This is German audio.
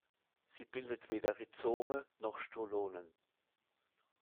Sie bildet weder Rhizome noch Stolonen.